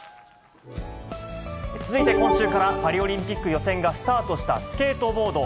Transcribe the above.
続いて、今週からパリオリンピック予選がスタートしたスケートボード。